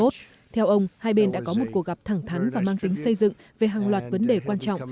theo ông hai bên đã có một cuộc gặp thẳng thắn và mang tính xây dựng về hàng loạt vấn đề quan trọng